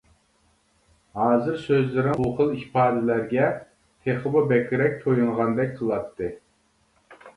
ھازىر سۆزلىرىڭ بۇ خىل ئىپادىلەرگە تېخىمۇ بەكرەك تويۇنغاندەك قىلاتتى.